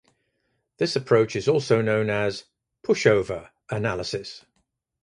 This approach is also known as "pushover" analysis.